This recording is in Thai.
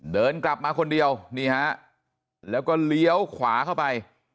เดินกลับมาคนเดียวนี่ฮะแล้วก็เลี้ยวขวาเข้าไป